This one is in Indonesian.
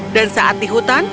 dan saat di hutan